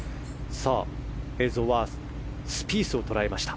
映像はスピースを捉えました。